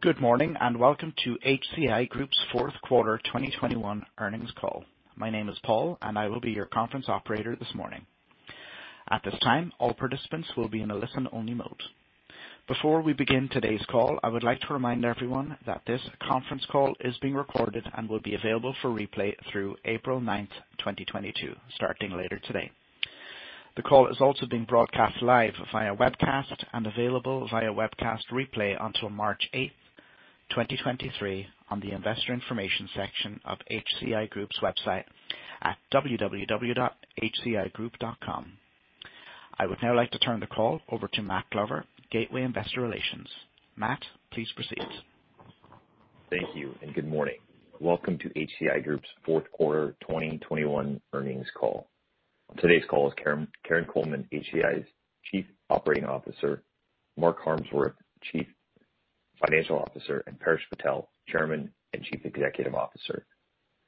Good morning, welcome to HCI Group's fourth quarter 2021 earnings call. My name is Paul, I will be your conference operator this morning. At this time, all participants will be in a listen-only mode. Before we begin today's call, I would like to remind everyone that this conference call is being recorded and will be available for replay through April 9th, 2022, starting later today. The call is also being broadcast live via webcast and available via webcast replay until March 8th, 2023, on the investor information section of HCI Group's website at www.hcigroup.com. I would now like to turn the call over to Matt Glover, Gateway Investor Relations. Matt, please proceed. Thank you, good morning. Welcome to HCI Group's fourth quarter 2021 earnings call. On today's call is Karin Coleman, HCI's Chief Operating Officer, Mark Harmsworth, Chief Financial Officer, Paresh Patel, Chairman and Chief Executive Officer.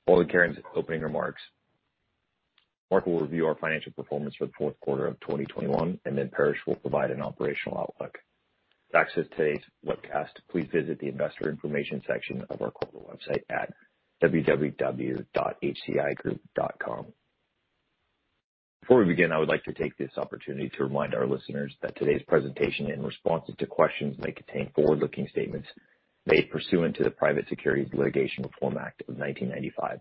Following Karin's opening remarks, Mark will review our financial performance for the fourth quarter of 2021, Paresh will provide an operational outlook. To access today's webcast, please visit the investor information section of our corporate website at www.hcigroup.com. Before we begin, I would like to take this opportunity to remind our listeners that today's presentation, in responses to questions, may contain forward-looking statements made pursuant to the Private Securities Litigation Reform Act of 1995.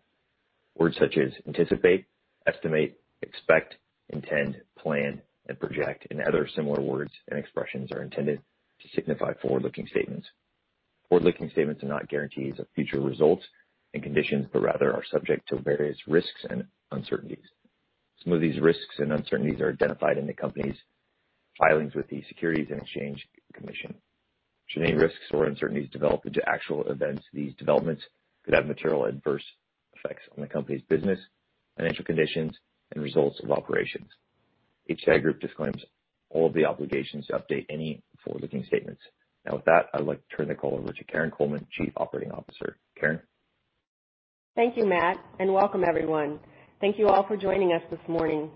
Words such as anticipate, estimate, expect, intend, plan, project, and other similar words and expressions are intended to signify forward-looking statements. Forward-looking statements are not guarantees of future results and conditions, rather are subject to various risks and uncertainties. Some of these risks and uncertainties are identified in the company's filings with the Securities and Exchange Commission. Should any risks or uncertainties develop into actual events, these developments could have material adverse effects on the company's business, financial conditions, and results of operations. HCI Group disclaims all of the obligations to update any forward-looking statements. Now with that, I'd like to turn the call over to Karin Coleman, Chief Operating Officer. Karin? Thank you, Matt, welcome everyone. Thank you all for joining us this morning.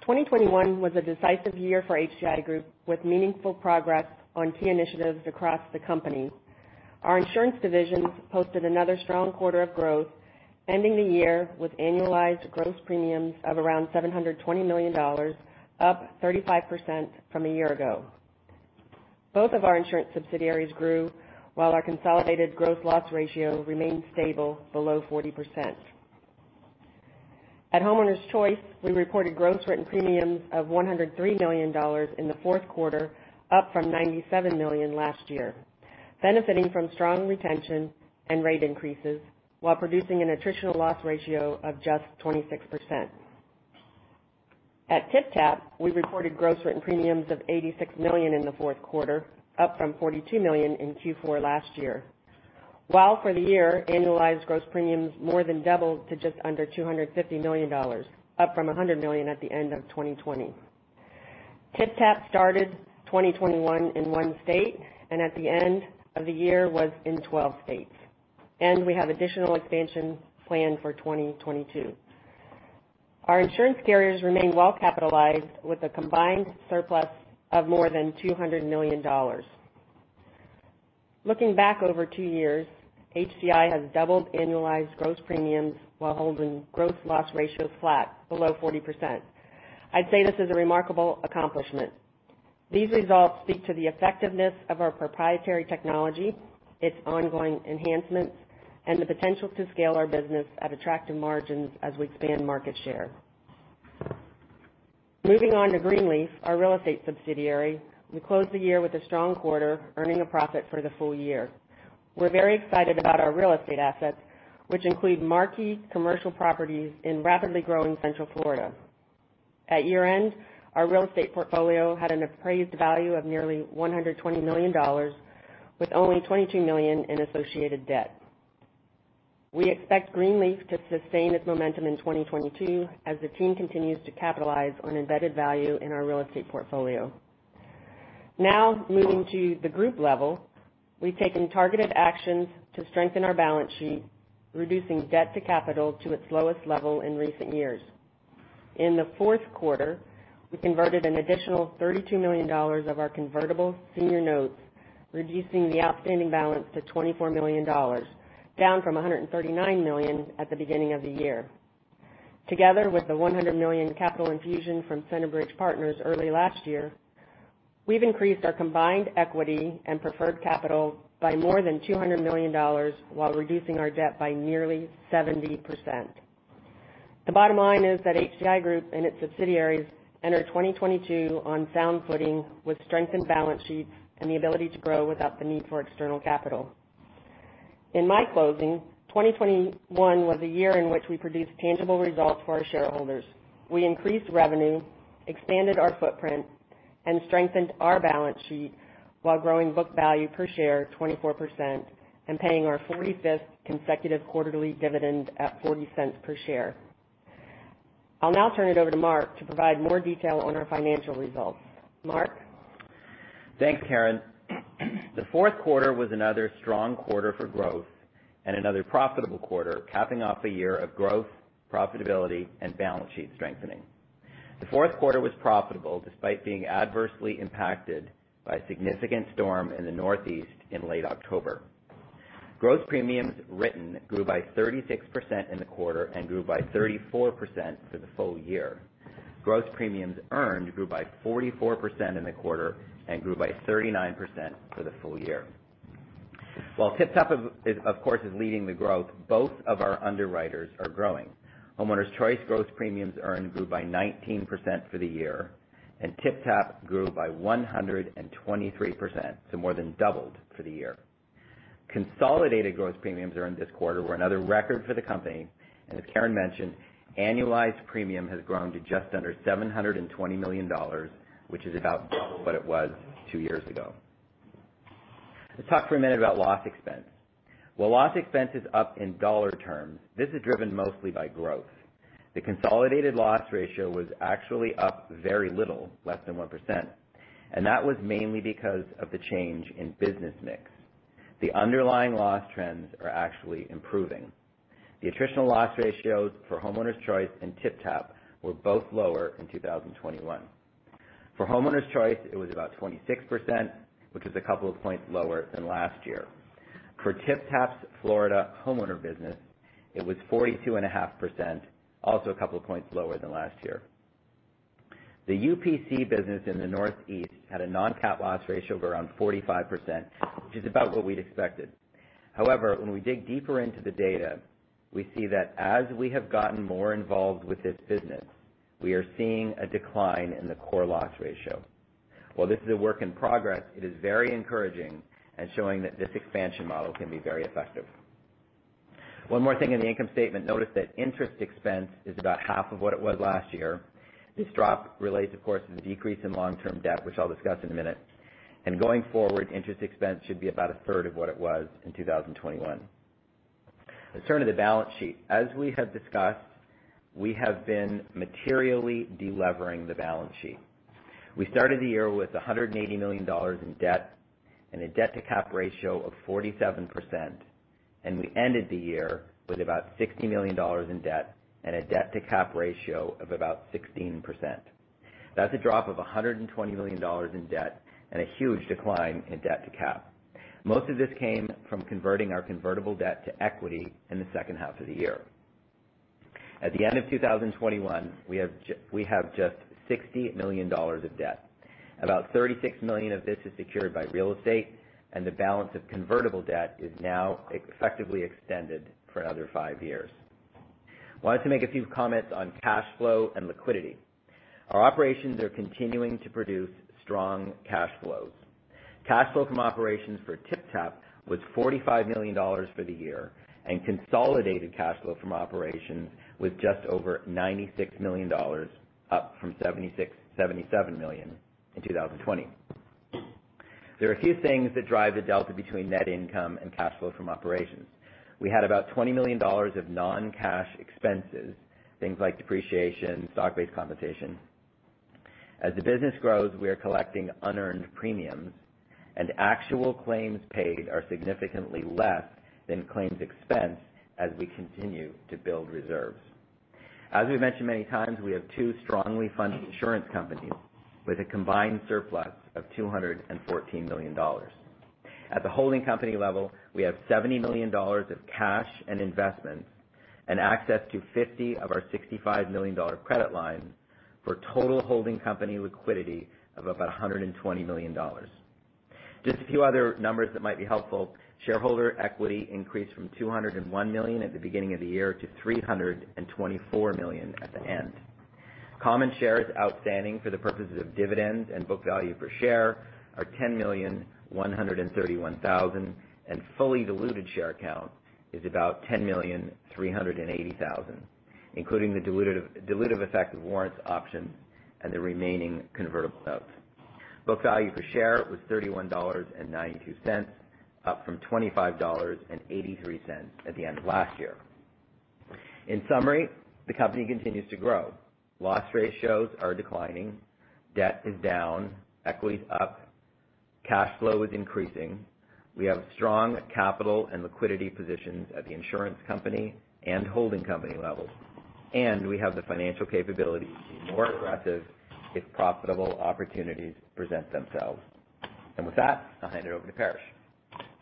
2021 was a decisive year for HCI Group, with meaningful progress on key initiatives across the company. Our insurance divisions posted another strong quarter of growth, ending the year with annualized gross premiums of around $720 million, up 35% from a year ago. Both of our insurance subsidiaries grew while our consolidated gross loss ratio remained stable below 40%. At Homeowners Choice, we reported gross written premiums of $103 million in the fourth quarter, up from $97 million last year, benefiting from strong retention and rate increases while producing an attritional loss ratio of just 26%. At TypTap, we reported gross written premiums of $86 million in the fourth quarter, up from $42 million in Q4 last year. For the year, annualized gross premiums more than doubled to just under $250 million, up from $100 million at the end of 2020. TypTap started 2021 in one state. At the end of the year was in 12 states. We have additional expansion planned for 2022. Our insurance carriers remain well-capitalized with a combined surplus of more than $200 million. Looking back over two years, HCI has doubled annualized gross premiums while holding growth loss ratios flat below 40%. I'd say this is a remarkable accomplishment. These results speak to the effectiveness of our proprietary technology, its ongoing enhancements, and the potential to scale our business at attractive margins as we expand market share. Moving on to Greenleaf, our real estate subsidiary, we closed the year with a strong quarter, earning a profit for the full year. We're very excited about our real estate assets, which include marquee commercial properties in rapidly growing Central Florida. At year-end, our real estate portfolio had an appraised value of nearly $120 million, with only $22 million in associated debt. We expect Greenleaf to sustain its momentum in 2022 as the team continues to capitalize on embedded value in our real estate portfolio. Now, moving to the group level, we've taken targeted actions to strengthen our balance sheet, reducing debt to capital to its lowest level in recent years. In the fourth quarter, we converted an additional $32 million of our convertible senior notes, reducing the outstanding balance to $24 million, down from $139 million at the beginning of the year. Together with the $100 million capital infusion from Centerbridge Partners early last year, we've increased our combined equity and preferred capital by more than $200 million while reducing our debt by nearly 70%. The bottom line is that HCI Group and its subsidiaries enter 2022 on sound footing with strengthened balance sheets and the ability to grow without the need for external capital. In my closing, 2021 was a year in which we produced tangible results for our shareholders. We increased revenue, expanded our footprint, and strengthened our balance sheet while growing book value per share 24% and paying our 45th consecutive quarterly dividend at $0.40 per share. I'll now turn it over to Mark to provide more detail on our financial results. Mark? Thanks, Karin. The fourth quarter was another strong quarter for growth and another profitable quarter, capping off a year of growth, profitability, and balance sheet strengthening. The fourth quarter was profitable despite being adversely impacted by a significant storm in the Northeast in late October. Gross premiums written grew by 36% in the quarter and grew by 34% for the full year. Gross premiums earned grew by 44% in the quarter and grew by 39% for the full year. While TypTap, of course, is leading the growth, both of our underwriters are growing. Homeowners Choice gross premiums earned grew by 19% for the year, and TypTap grew by 123%, so more than doubled for the year. Consolidated gross premiums earned this quarter were another record for the company, and as Karin mentioned, annualized premium has grown to just under $720 million, which is about double what it was two years ago. Let's talk for a minute about loss expense. While loss expense is up in dollar terms, this is driven mostly by growth. The consolidated loss ratio was actually up very little, less than 1%, and that was mainly because of the change in business mix. The underlying loss trends are actually improving. The attritional loss ratios for Homeowners Choice and TypTap were both lower in 2021. For Homeowners Choice, it was about 26%, which is a couple of points lower than last year. For TypTap's Florida homeowner business, it was 42 and a half percent, also a couple of points lower than last year. The UPC business in the Northeast had a non-cat loss ratio of around 45%, which is about what we'd expected. When we dig deeper into the data, we see that as we have gotten more involved with this business, we are seeing a decline in the core loss ratio. While this is a work in progress, it is very encouraging and showing that this expansion model can be very effective. One more thing in the income statement. Notice that interest expense is about half of what it was last year. This drop relates, of course, to the decrease in long-term debt, which I'll discuss in a minute. Going forward, interest expense should be about a third of what it was in 2021. Let's turn to the balance sheet. As we have discussed, we have been materially de-levering the balance sheet. We started the year with $180 million in debt and a debt-to-cap ratio of 47%, and we ended the year with about $60 million in debt and a debt-to-cap ratio of about 16%. That's a drop of $120 million in debt and a huge decline in debt to cap. Most of this came from converting our convertible debt to equity in the second half of the year. At the end of 2021, we have just $60 million of debt. About $36 million of this is secured by real estate, and the balance of convertible debt is now effectively extended for another five years. I wanted to make a few comments on cash flow and liquidity. Our operations are continuing to produce strong cash flows. Cash flow from operations for TypTap was $45 million for the year, and consolidated cash flow from operations was just over $96 million, up from $76-$77 million in 2020. There are a few things that drive the delta between net income and cash flow from operations. We had about $20 million of non-cash expenses, things like depreciation, stock-based compensation. As the business grows, we are collecting unearned premiums and actual claims paid are significantly less than claims expense as we continue to build reserves. As we've mentioned many times, we have two strongly funded insurance companies with a combined surplus of $214 million. At the holding company level, we have $70 million of cash and investments and access to 50 of our $65 million credit line, for total holding company liquidity of about $120 million. Just a few other numbers that might be helpful. Shareholder equity increased from $201 million at the beginning of the year to $324 million at the end. Common shares outstanding for the purposes of dividends and book value per share are 10,131,000, and fully diluted share count is about 10,380,000, including the dilutive effect of warrants, options and the remaining convertible notes. Book value per share was $31.92, up from $25.83 at the end of last year. In summary, the company continues to grow. Loss ratios are declining, debt is down, equity is up, cash flow is increasing, we have strong capital and liquidity positions at the insurance company and holding company levels, and we have the financial capability to be more aggressive if profitable opportunities present themselves. With that, I'll hand it over to Paresh.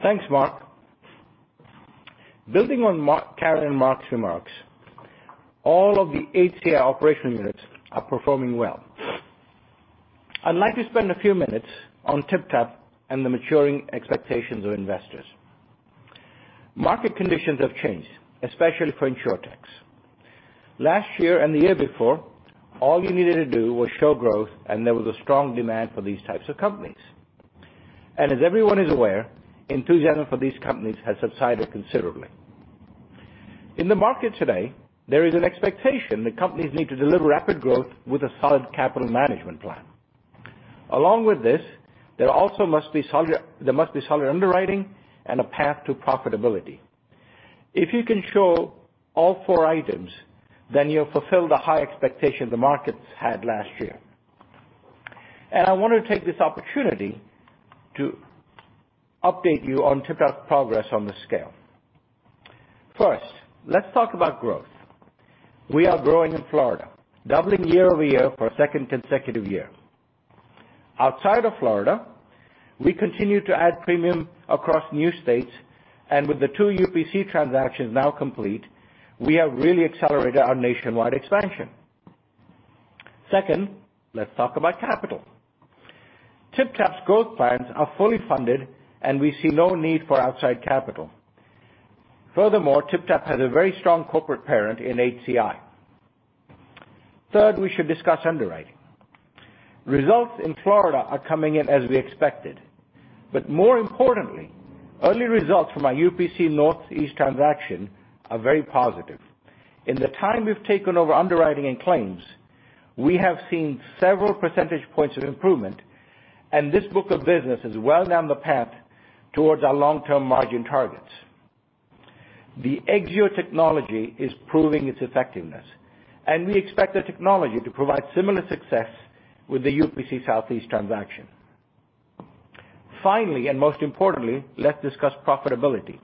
Thanks, Mark. Building on Karin and Mark's remarks, all of the HCI operation units are performing well. I'd like to spend a few minutes on TypTap and the maturing expectations of investors. Market conditions have changed, especially for InsurTechs. Last year and the year before, all you needed to do was show growth, and there was a strong demand for these types of companies. As everyone is aware, enthusiasm for these companies has subsided considerably. In the market today, there is an expectation that companies need to deliver rapid growth with a solid capital management plan. Along with this, there must be solid underwriting and a path to profitability. If you can show all four items, then you'll fulfill the high expectation the markets had last year. I want to take this opportunity to update you on TypTap's progress on the scale. First, let's talk about growth. We are growing in Florida, doubling year-over-year for a second consecutive year. Outside of Florida, we continue to add premium across new states, and with the two UPC transactions now complete, we have really accelerated our nationwide expansion. Second, let's talk about capital. TypTap's growth plans are fully funded, and we see no need for outside capital. Furthermore, TypTap has a very strong corporate parent in HCI. Third, we should discuss underwriting. Results in Florida are coming in as we expected, but more importantly, early results from our UPC Northeast transaction are very positive. In the time we've taken over underwriting and claims, we have seen several percentage points of improvement, and this book of business is well down the path towards our long-term margin targets. The Exzeo technology is proving its effectiveness, and we expect the technology to provide similar success with the UPC Southeast transaction. Finally, most importantly, let's discuss profitability.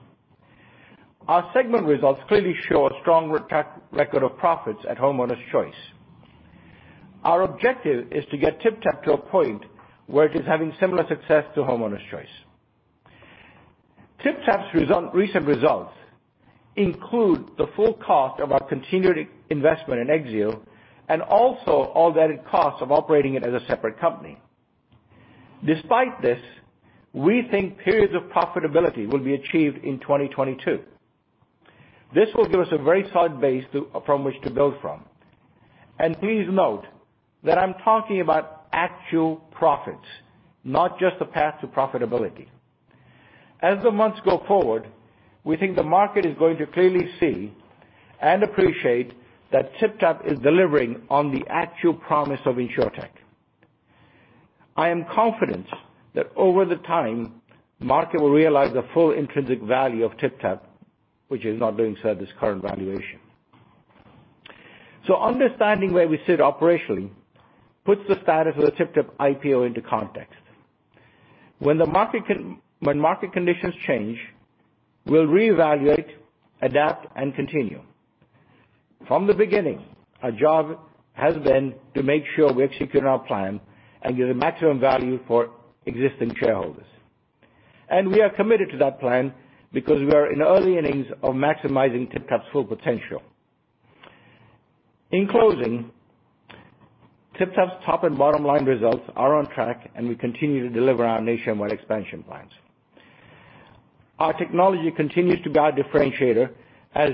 Our segment results clearly show a strong track record of profits at Homeowners Choice. Our objective is to get TypTap to a point where it is having similar success to Homeowners Choice. TypTap's recent results include the full cost of our continued investment in Exzeo and also all added costs of operating it as a separate company. Despite this, we think periods of profitability will be achieved in 2022. This will give us a very solid base from which to build from. Please note that I'm talking about actual profits, not just the path to profitability. As the months go forward, we think the market is going to clearly see and appreciate that TypTap is delivering on the actual promise of InsurTech. I am confident that over the time, market will realize the full intrinsic value of TypTap, which is not doing so at this current valuation. Understanding where we sit operationally puts the status of the TypTap IPO into context. When market conditions change, we'll reevaluate, adapt, and continue. From the beginning, our job has been to make sure we're executing our plan and get a maximum value for existing shareholders. We are committed to that plan because we are in early innings of maximizing TypTap's full potential. In closing, TypTap's top and bottom line results are on track, and we continue to deliver our nationwide expansion plans. Our technology continues to be our differentiator, as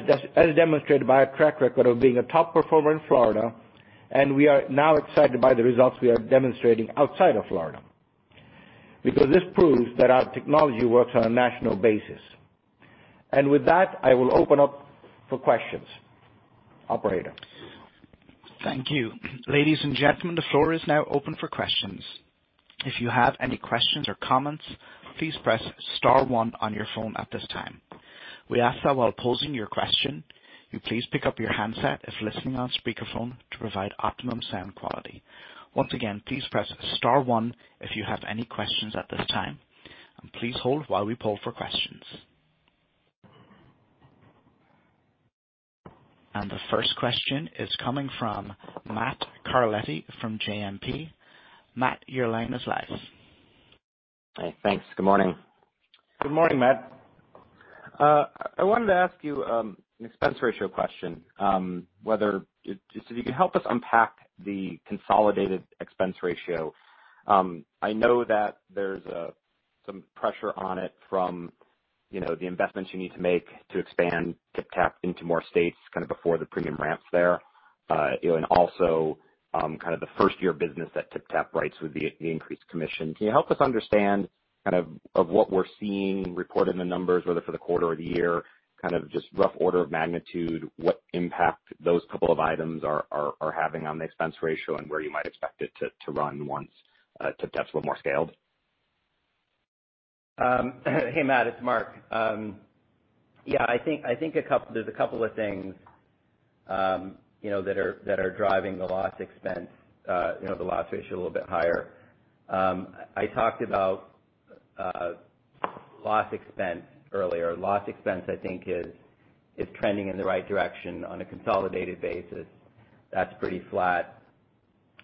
demonstrated by a track record of being a top performer in Florida, and we are now excited by the results we are demonstrating outside of Florida, because this proves that our technology works on a national basis. With that, I will open up for questions. Operator? Thank you. Ladies and gentlemen, the floor is now open for questions. If you have any questions or comments, please press star one on your phone at this time. We ask that while posing your question, you please pick up your handset if listening on speakerphone to provide optimum sound quality. Once again, please press star one if you have any questions at this time, and please hold while we poll for questions. The first question is coming from Matt Carletti from JMP. Matt, your line is live. Hey, thanks. Good morning. Good morning, Matt. I wanted to ask you an expense ratio question, if you could help us unpack the consolidated expense ratio. I know that there's some pressure on it from the investments you need to make to expand TypTap into more states before the premium ramps there. Also, the first-year business that TypTap writes with the increased commission. Can you help us understand of what we're seeing reported in the numbers, whether for the quarter or the year, just rough order of magnitude, what impact those couple of items are having on the expense ratio and where you might expect it to run once TypTap's a little more scaled? Hey, Matt, it's Mark. I think there's a couple of things that are driving the loss expense, the loss ratio a little bit higher. I talked about loss expense earlier. Loss expense, I think is trending in the right direction on a consolidated basis. That's pretty flat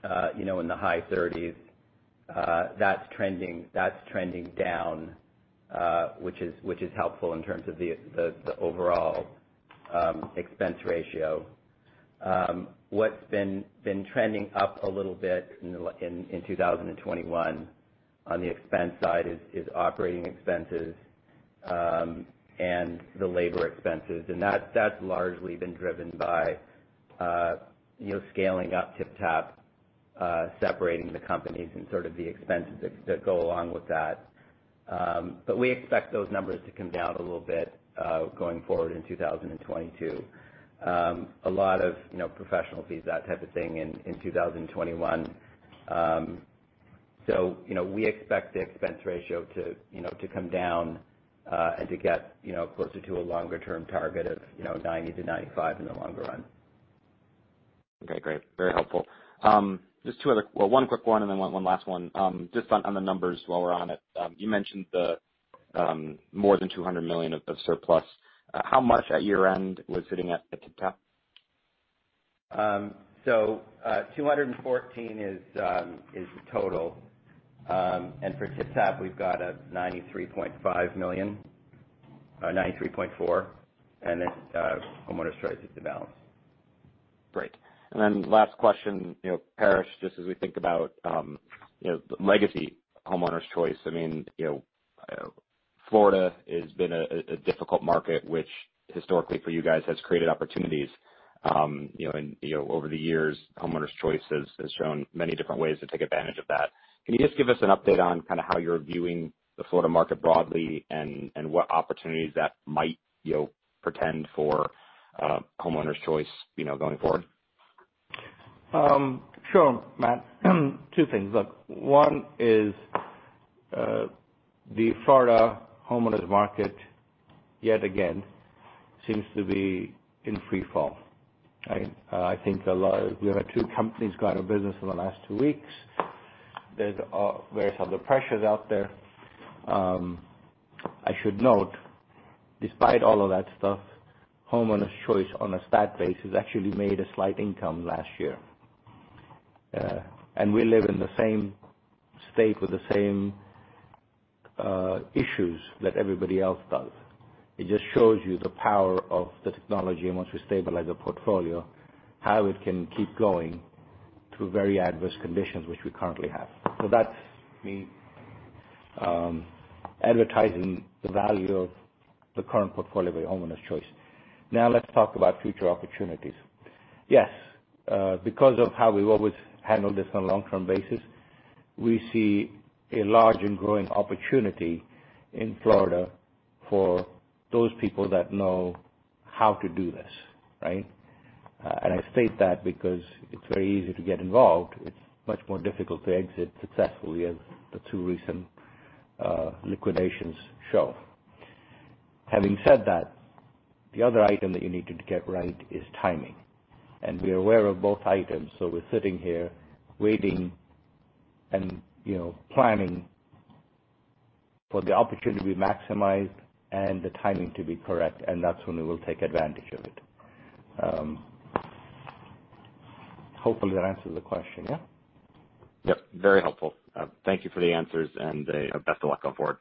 in the high 30s. That's trending down which is helpful in terms of the overall expense ratio. What's been trending up a little bit in 2021 on the expense side is operating expenses, and the labor expenses. That's largely been driven by scaling up TypTap, separating the companies and sort of the expenses that go along with that. We expect those numbers to come down a little bit, going forward in 2022. A lot of professional fees, that type of thing in 2021. We expect the expense ratio to come down, and to get closer to a longer-term target of 90%-95% in the longer run. Okay, great. Very helpful. Just two other, well, one quick one and then one last one. Just on the numbers while we're on it. You mentioned the more than $200 million of surplus. How much at year-end was sitting at TypTap? $214 is the total. For TypTap, we've got a $93.5 million. $93.4 million. Homeowners Choice is the balance. Great. Last question. Paresh, just as we think about legacy Homeowners Choice. Florida has been a difficult market which historically for you guys has created opportunities. Over the years, Homeowners Choice has shown many different ways to take advantage of that. Can you just give us an update on kind of how you're viewing the Florida market broadly and what opportunities that might portend for Homeowners Choice going forward? Sure, Matt. Two things. One is the Florida homeowners market, yet again, seems to be in free fall. I think we have had two companies go out of business in the last two weeks. There's various other pressures out there. I should note, despite all of that stuff, Homeowners Choice, on a stat basis, actually made a slight income last year. We live in the same state with the same issues that everybody else does. It just shows you the power of the technology and once we stabilize the portfolio, how it can keep going through very adverse conditions which we currently have. That's me advertising the value of the current portfolio of Homeowners Choice. Now let's talk about future opportunities. Yes. Because of how we've always handled this on a long-term basis, we see a large and growing opportunity in Florida for those people that know how to do this. Right? I state that because it's very easy to get involved. It's much more difficult to exit successfully, as the two recent liquidations show. Having said that, the other item that you need to get right is timing. We're aware of both items. We're sitting here waiting and planning for the opportunity to be maximized and the timing to be correct, and that's when we will take advantage of it. Hopefully that answers the question, yeah? Yep, very helpful. Thank you for the answers and best of luck going forward.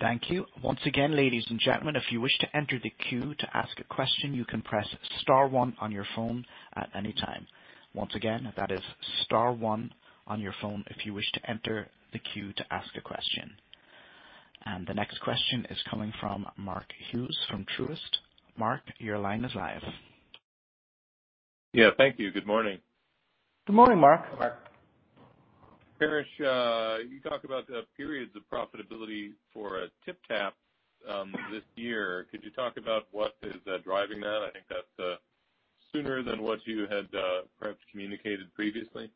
Thank you. Once again, ladies and gentlemen, if you wish to enter the queue to ask a question, you can press star one on your phone at any time. Once again, that is star one on your phone if you wish to enter the queue to ask a question. The next question is coming from Mark Hughes from Truist. Mark, your line is live. Yeah, thank you. Good morning. Good morning, Mark. Morning. Paresh, you talk about the periods of profitability for TypTap this year. Could you talk about what is driving that? I think that's sooner than what you had perhaps communicated previously.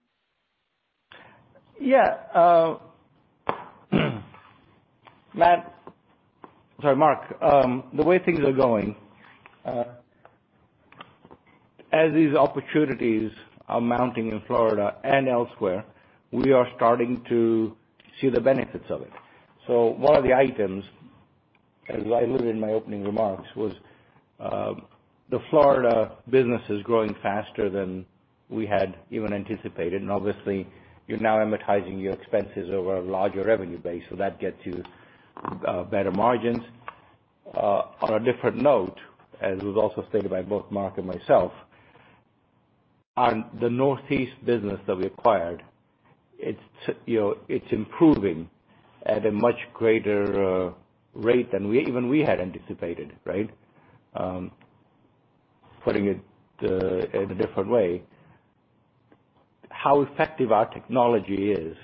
Yeah. Sorry, Mark. The way things are going, as these opportunities are mounting in Florida and elsewhere, we are starting to see the benefits of it. One of the items, as I alluded in my opening remarks, was the Florida business is growing faster than we had even anticipated. Obviously, you're now amortizing your expenses over a larger revenue base, so that gets you better margins. On a different note, as was also stated by both Mark and myself, on the Northeast business that we acquired, it's improving at a much greater rate than even we had anticipated. Right? Putting it in a different way, how effective our technology is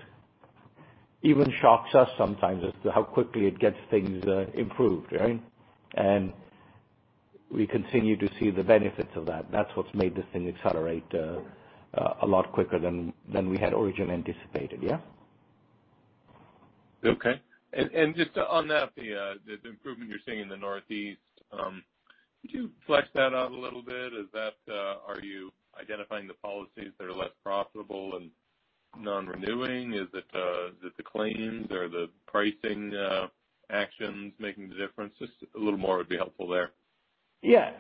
even shocks us sometimes as to how quickly it gets things improved. Right? We continue to see the benefits of that. That's what's made this thing accelerate a lot quicker than we had originally anticipated. Yeah? Okay. Just on that, the improvement you're seeing in the Northeast, could you flesh that out a little bit? Are you identifying the policies that are less profitable and non-renewing? Is it the claims or the pricing actions making the difference? Just a little more would be helpful there. Yeah.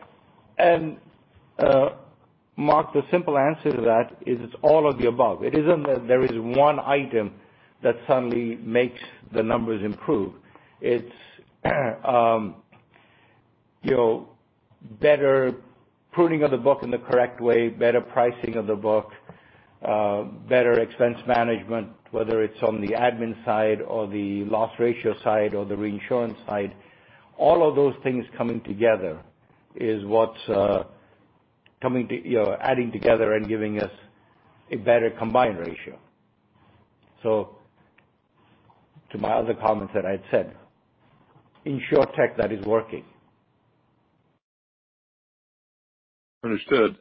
Mark, the simple answer to that is it's all of the above. It isn't that there is one item that suddenly makes the numbers improve. It's better pruning of the book in the correct way, better pricing of the book, better expense management, whether it's on the admin side or the loss ratio side or the reinsurance side. All of those things coming together is what's adding together and giving us a better combined ratio. To my other comments that I had said, InsurTech, that is working. Understood.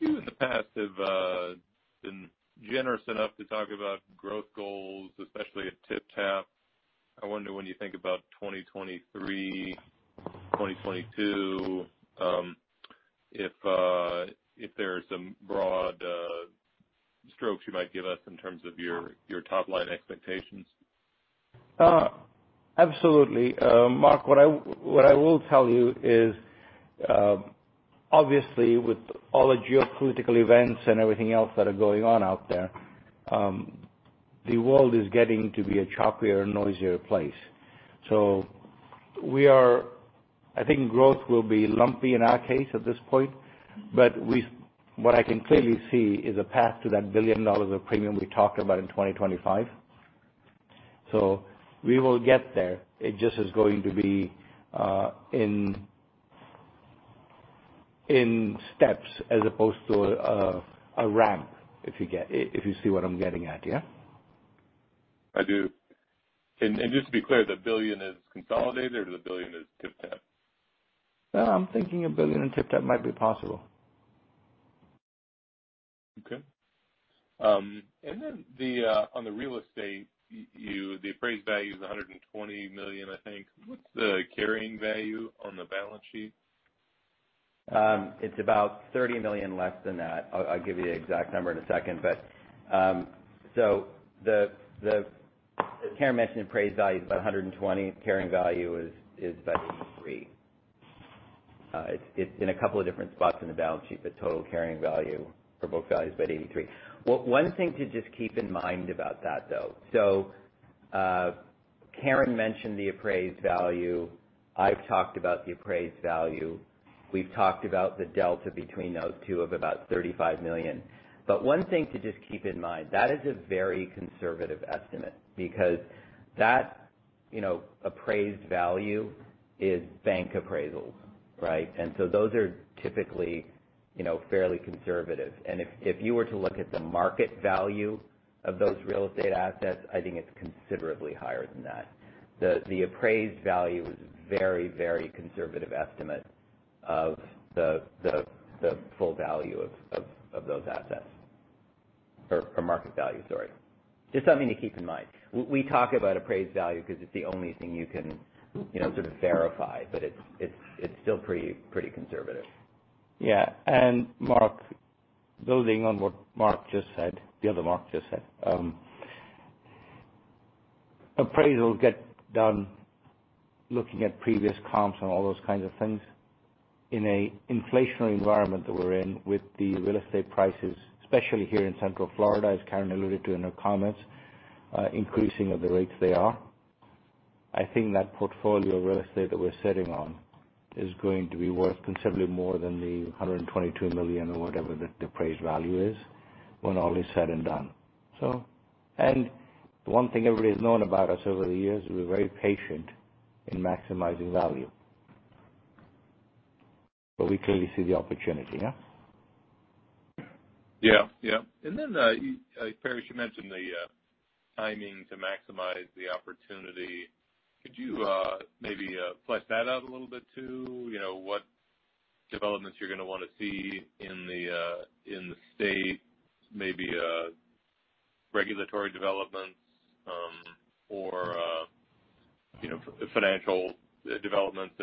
You in the past have been generous enough to talk about growth goals, especially at TypTap. I wonder when you think about 2023, 2022, if there's some broad strokes you might give us in terms of your top-line expectations. Absolutely. Mark, what I will tell you is, obviously, with all the geopolitical events and everything else that are going on out there, the world is getting to be a choppier, noisier place. I think growth will be lumpy in our case at this point. What I can clearly see is a path to that $1 billion of premium we talked about in 2025. We will get there. It just is going to be in steps as opposed to a ramp, if you see what I'm getting at, yeah? I do. Just to be clear, the $1 billion is consolidated, or the $1 billion is TypTap? No, I'm thinking $1 billion in TypTap might be possible. Okay. Then on the real estate, the appraised value is $120 million, I think. What's the carrying value on the balance sheet? It's about $30 million less than that. I'll give you the exact number in a second. As Karin mentioned, the appraised value is about $120 million. The carrying value is about $83 million. It's in a couple of different spots in the balance sheet, but total carrying value for both values is about $83 million. One thing to just keep in mind about that, though. Karin mentioned the appraised value. I've talked about the appraised value. We've talked about the delta between those two of about $35 million. One thing to just keep in mind, that is a very conservative estimate because that appraised value is bank appraisals, right? Those are typically fairly conservative. If you were to look at the market value of those real estate assets, I think it's considerably higher than that. The appraised value is a very conservative estimate of the full value of those assets, or market value, sorry. Just something to keep in mind. We talk about appraised value because it's the only thing you can sort of verify, but it's still pretty conservative. Yeah. Building on what the other Mark just said, appraisal get done looking at previous comps and all those kinds of things. In an inflationary environment that we're in with the real estate prices, especially here in Central Florida, as Karin alluded to in her comments, increasing at the rates they are, I think that portfolio of real estate that we're sitting on is going to be worth considerably more than the $122 million or whatever the appraised value is when all is said and done. One thing everybody's known about us over the years, we're very patient in maximizing value. We clearly see the opportunity, yeah? Yeah. Then, Paresh, you mentioned the timing to maximize the opportunity. Could you maybe flesh that out a little bit, too? What developments you're going to want to see in the state, maybe regulatory developments or financial developments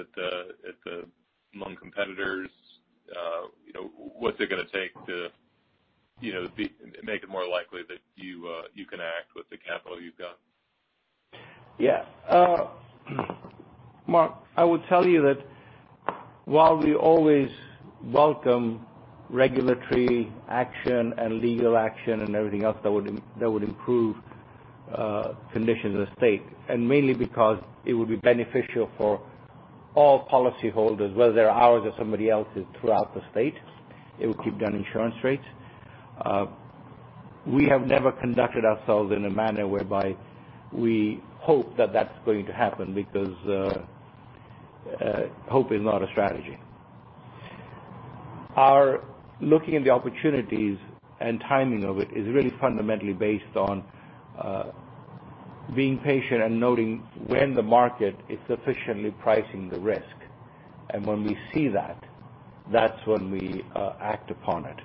among competitors. What's it going to take to make it more likely that you can act with the capital you've got? Yeah. Mark, I would tell you that while we always welcome regulatory action and legal action and everything else that would improve conditions in the state, mainly because it would be beneficial for all policyholders, whether they're ours or somebody else's throughout the state. It would keep down insurance rates. We have never conducted ourselves in a manner whereby we hope that that's going to happen because hope is not a strategy. Our looking at the opportunities and timing of it is really fundamentally based on being patient and noting when the market is sufficiently pricing the risk. When we see that's when we act upon it.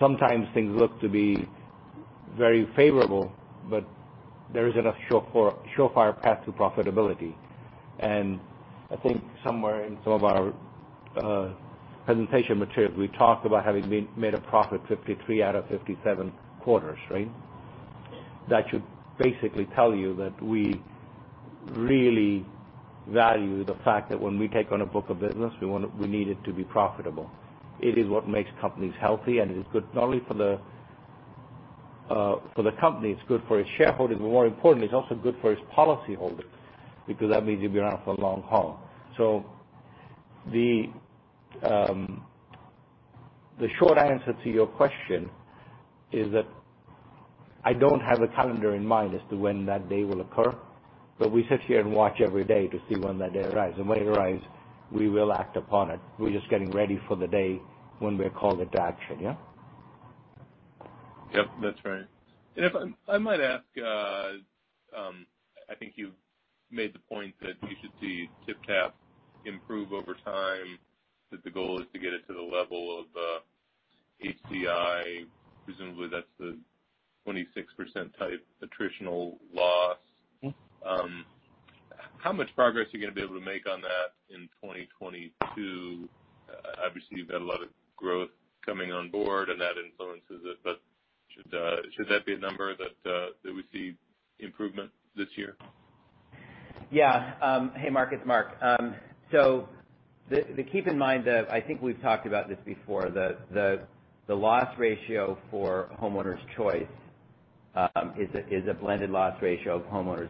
Sometimes things look to be very favorable, but there isn't a surefire path to profitability. I think somewhere in some of our presentation materials, we talked about having made a profit 53 out of 57 quarters, right? That should basically tell you that we really value the fact that when we take on a book of business, we need it to be profitable. It is what makes companies healthy, and it is good not only for the company, it's good for its shareholders, but more importantly, it's also good for its policyholders because that means you'll be around for the long haul. The short answer to your question is that I don't have a calendar in mind as to when that day will occur. We sit here and watch every day to see when that day arrives. When it arrives, we will act upon it. We're just getting ready for the day when we are called into action, yeah? Yep, that's right. If I might ask, I think you made the point that you should see TypTap improve over time, that the goal is to get it to the level of HCI. Presumably, that's the 26% type attritional loss. How much progress are you going to be able to make on that in 2022? Obviously, you've had a lot of growth coming on board, and that influences it, but should that be a number that we see improvement this year? Yeah. Hey, Mark, it's Mark. Keep in mind, I think we've talked about this before, the loss ratio for Homeowners Choice is a blended loss ratio of homeowners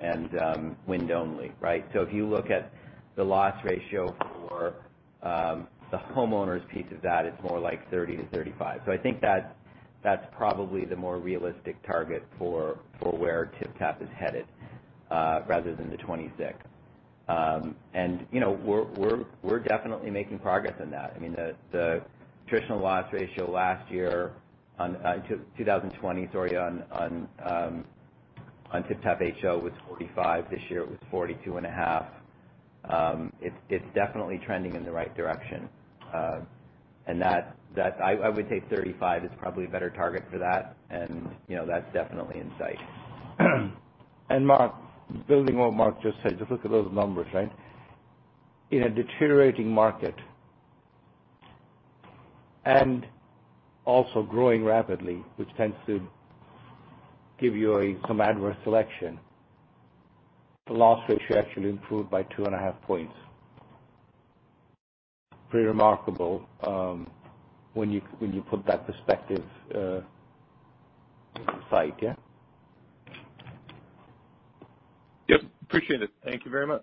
and wind only, right? If you look at the loss ratio for the homeowners piece of that, it's more like 30%-35%. I think that's probably the more realistic target for where TypTap is headed, rather than the 26%. We're definitely making progress in that. I mean, the attritional loss ratio last year on, 2020, sorry, on TypTap HO was 45%. This year it was 42.5%. It's definitely trending in the right direction. I would say 35% is probably a better target for that, and that's definitely in sight. Mark, building on what Mark just said, just look at those numbers, right? In a deteriorating market and also growing rapidly, which tends to give you some adverse selection, the loss ratio actually improved by 2 and a half points. Pretty remarkable when you put that perspective into sight, yeah? Yep. Appreciate it. Thank you very much.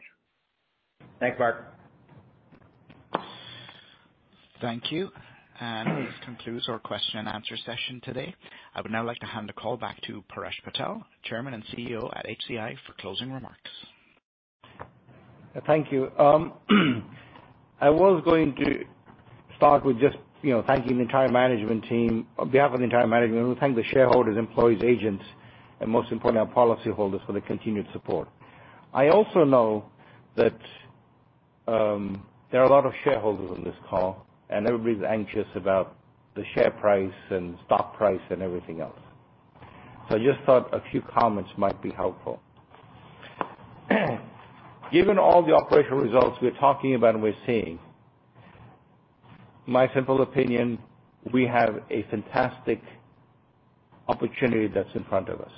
Thanks, Mark. Thank you. This concludes our question and answer session today. I would now like to hand the call back to Paresh Patel, Chairman and CEO at HCI, for closing remarks. Thank you. I was going to start with just thanking the entire management team. On behalf of the entire management, we thank the shareholders, employees, agents, and most importantly, our policyholders for their continued support. I also know that there are a lot of shareholders on this call and everybody's anxious about the share price and stock price and everything else. I just thought a few comments might be helpful. Given all the operational results we're talking about and we're seeing, my simple opinion, we have a fantastic opportunity that's in front of us.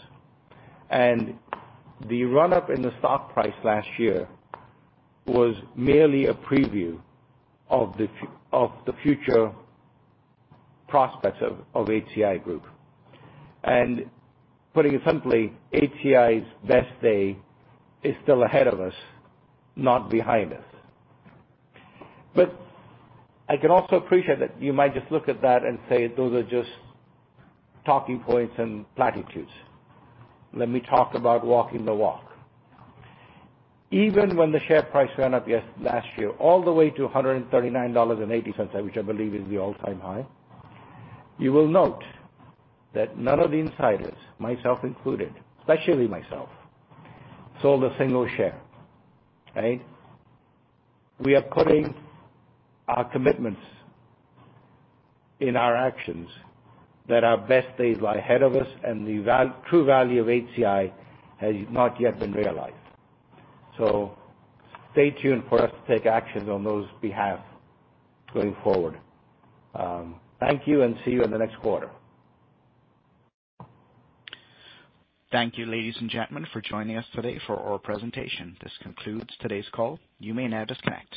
The run-up in the stock price last year was merely a preview of the future prospects of HCI Group. Putting it simply, HCI's best day is still ahead of us, not behind us. I can also appreciate that you might just look at that and say, "Those are just talking points and platitudes." Let me talk about walking the walk. Even when the share price went up last year, all the way to $139.80, which I believe is the all-time high, you will note that none of the insiders, myself included, especially myself, sold a single share. Right? We are putting our commitments in our actions that our best days lie ahead of us and the true value of HCI has not yet been realized. Stay tuned for us to take actions on those behalf going forward. Thank you, and see you in the next quarter. Thank you, ladies and gentlemen, for joining us today for our presentation. This concludes today's call. You may now disconnect.